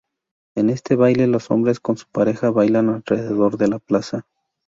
En este baile, los hombres con su pareja bailan alrededor de la plaza.